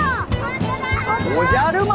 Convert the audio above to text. おじゃる丸？